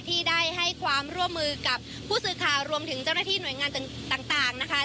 ที่ได้ให้ความร่วมมือกับผู้สื่อข่าวรวมถึงเจ้าหน้าที่หน่วยงานต่างนะคะ